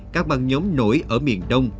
các băng nhóm nổi ở miền đông